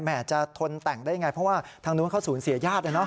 แหมจะทนแต่งได้ยังไงเพราะว่าทางนู้นเขาศูนย์เสียญาติเนี่ยเนาะ